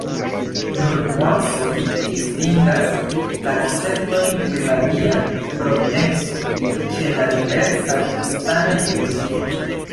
Nur nuancoj distingas la konceptojn pri la Dia Providenco ĉe la diversaj kristanaj eklezioj.